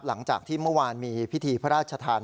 หลังจากที่เมื่อวานมีพิธีพระราชทาน